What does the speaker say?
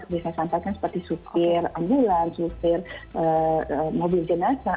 bisa saya sampaikan seperti supir ambulans supir mobil jenasa